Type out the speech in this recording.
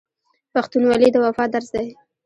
پښتونولي د وفا درس دی.